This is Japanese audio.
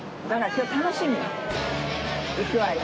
行くわよ。